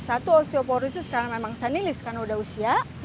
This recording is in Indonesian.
satu osteoporosis karena memang sanilis karena udah usia